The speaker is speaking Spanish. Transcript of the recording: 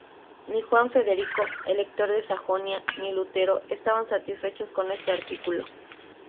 Ni Juan Federico, Elector de Sajonia, ni Lutero estaban satisfechos con este artículo.